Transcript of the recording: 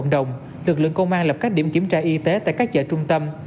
đồng lực lượng công an lập các điểm kiểm tra y tế tại các chợ trung tâm